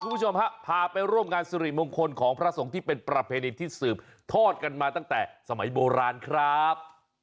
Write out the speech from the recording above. คุณผู้ชมฮะพาไปร่วมงานสุริมงคลของพระสงฆ์ที่เป็นประเพณีที่สืบทอดกันมาตั้งแต่สมัยโบราณครับ